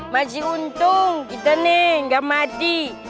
masih untung kita nih gak mati